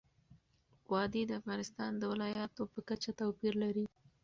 وادي د افغانستان د ولایاتو په کچه توپیر لري.